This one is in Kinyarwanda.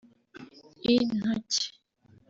intoki